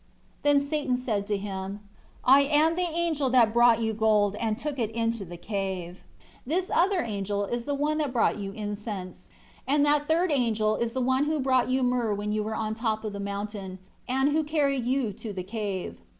9 Then Satan said to him, "I am the angel that brought you gold, and took it to the cave; this other angel is the one that brought you incense; and that third angel, is the one who brought you myrrh when you were on top of the mountain, and who carried you to the cave.